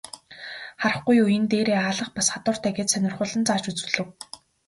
Харахгүй юу, энэ дээрээ алх бас хадууртай гээд сонирхуулан зааж үзүүлэв.